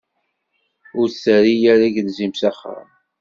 Ur d-terri ara agelzim s axxam.